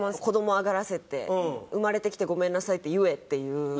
子ども上がらせて「生まれてきてごめんなさい」って言えっていう。